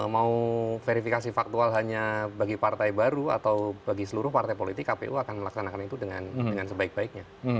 mau verifikasi faktual hanya bagi partai baru atau bagi seluruh partai politik kpu akan melaksanakan itu dengan sebaik baiknya